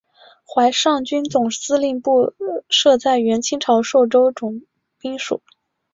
淮上军总司令部设在原清朝寿州总兵署。